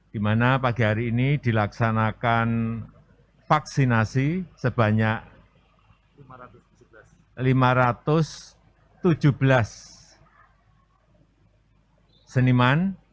di mana pagi hari ini dilaksanakan vaksinasi sebanyak lima ratus tujuh belas seniman